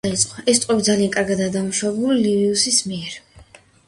ეს სიტყვები ძალიან კარგადაა დამუშავებული ლივიუსის მიერ.